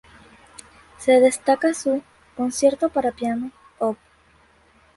Se destaca su "Concierto para piano", op.